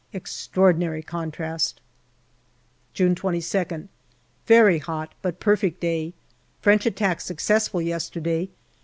Extraordinary contrast. June 22nd. Very hot, but perfect day. French attack successful yesterday.